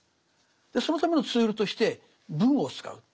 そのためのツールとして文を使う。